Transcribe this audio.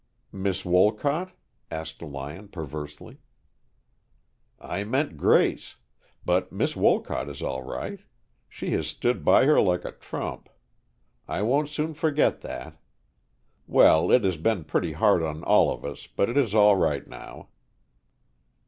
"Miss Wolcott?" asked Lyon perversely. "I meant Grace. But Miss Wolcott is all right. She has stood by her like a trump. I won't soon forget that. Well, it has been pretty hard on all of us, but it is all right now."